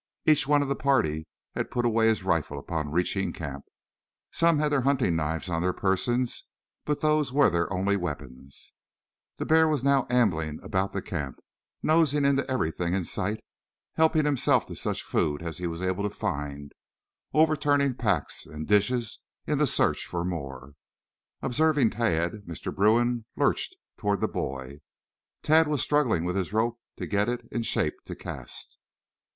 Each one of the party had put away his rifle upon reaching camp. Some had their hunting knives on their persons, but those were their only weapons. [Illustration: Tad's Rope Wriggled Out.] The bear was now ambling about the camp, nosing into everything in sight, helping himself to such food as he was able to find, overturning packs and dishes in the search for more. Observing Tad, Mr. Bruin lurched toward the boy. Tad was struggling with his rope to get it in shape to cast.